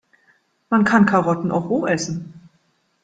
Man kann Karotten auch roh essen.